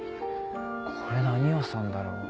これ何屋さんだろう？